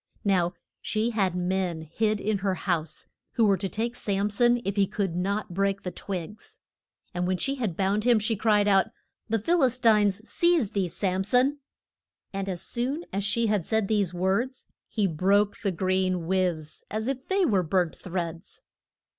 Now she had men hid in her house who were to take Sam son if he could not break the twigs. And when she had bound him she cried out, The Phil is tines seize thee, Sam son! And as soon as she had said these words he broke the green withes as if they were burnt threads.